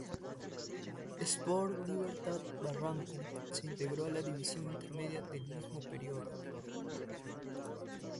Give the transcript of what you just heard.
Sport Libertad Barranco, se integró a la División Intermedia del mismo periodo.